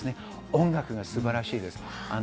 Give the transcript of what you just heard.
音楽が素晴らしいです。